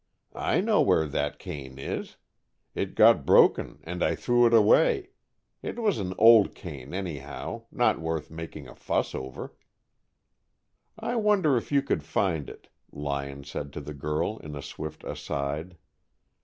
"I know where that cane is. It got broken and I threw it away. It was an old cane, anyhow, not worth making a fuss over." "I wonder if you could find it," Lyon said to the girl, in a swift aside.